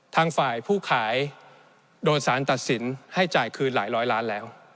ทางฝ่ายผู้ขายโดนสารตัดสินให้จ่ายคืนหลายร้อยล้านแล้ว